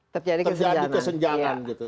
terjadi kesenjangan gitu